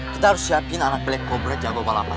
kita harus siapin anak black cobra jago balapan